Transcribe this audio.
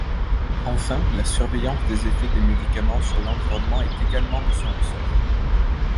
Enfin, la surveillance des effets des médicaments sur l'environnement est également de son ressort.